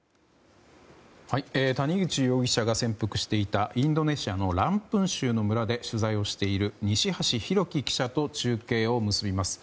谷口容疑者が潜伏していたインドネシア・ランプン州の村で取材をしている西橋拓輝記者と中継をつなぎます。